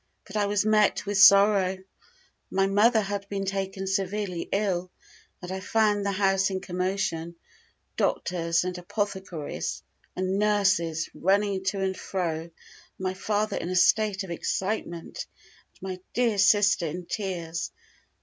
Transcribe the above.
But I was met with sorrow. My mother had been taken severely ill, and I found the house in commotion doctors, and apothecaries, and nurses, running to and fro, my father in a state of excitement, and my dear sister in tears.